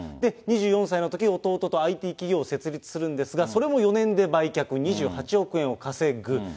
２４歳のとき、弟とＩＴ企業を設立するんですが、それも４年で売却、２８億円を稼ぐ。